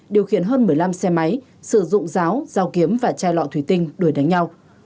điều khiển hơn một mươi năm xe máy sử dụng ráo dao kiếm và chai lọ thủy tinh đuổi đánh nhau